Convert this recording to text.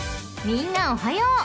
［みんなおはよう。